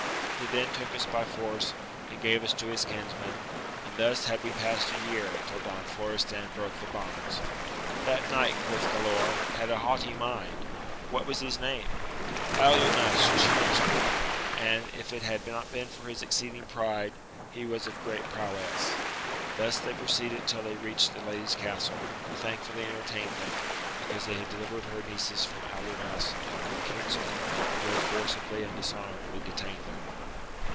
He then took us by force, and gave us to his kinsmen, and thus had we past a year, till Don Florestan broke the bonds. That knight, quoth Galaor, had a haughty mind : what was his name ? Alumas, she answered ; and, if it had not been for his exceeding pride, he was of great prowess. Thus they proceeded till they reached the Lady's castle, who thankfully entertained them, beca; use they had dehvered her nieces from Alumas and his kinsmen, who had forcibly and dishonourably detained them.